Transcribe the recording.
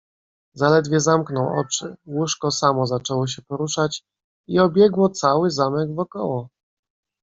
"Zaledwie zamknął oczy, łóżko samo zaczęło się poruszać i obiegło cały zamek wokoło."